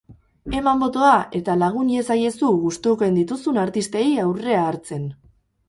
Eman botoa eta lagun iezaiezu gustukoen dituzun artistei aurrea hartzen!